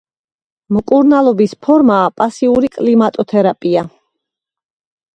მკურნალობის ფორმაა პასიური კლიმატოთერაპია.